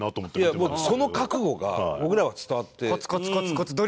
もうその覚悟が僕らは伝わって。